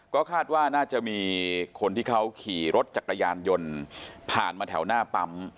ก็คาดว่าน่าจะมีคนที่เขาขี่รถจักรยานยนต์ผ่านมาแถวหน้าปั๊ม